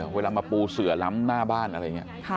เวลามาปูเสือล้ำหน้าบ้านอะไรอย่างนี้